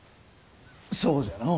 そうじゃのう。